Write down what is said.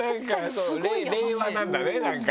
令和なんだねなんか。